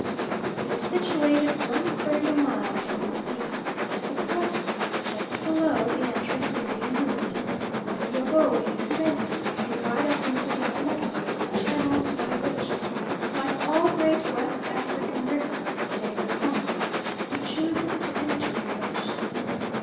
It is situated 130 miles from the sea, at the point, just below the entrance of the N'guni, where the Ogowe commences to divide up into that network of channels by which, like all great West African rivers save the Congo, it chooses to enter the Ocean.